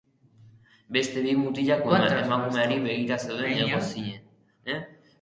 Beste bi mutilak emakumeari begira zeuden, egonezinez.